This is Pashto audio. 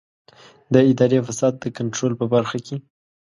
د اداري فساد د کنټرول په برخه کې.